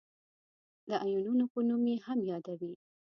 د آیونونو په نوم یې هم یادوي.